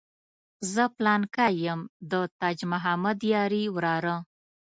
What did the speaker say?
زه پلانکی یم د تاج محمد یاري وراره.